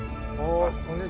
こんにちは。